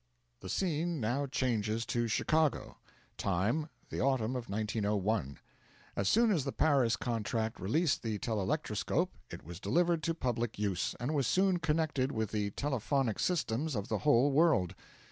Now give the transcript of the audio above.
The scene now changes to Chicago. Time, the autumn of 1901. As soon as the Paris contract released the telelectroscope, it was delivered to public use, and was soon connected with the telephonic systems of the whole world.